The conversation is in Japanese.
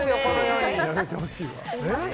やめてほしいわ。